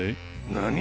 何？